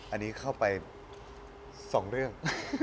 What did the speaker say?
อันนี้เข้าไป๒เรื่อง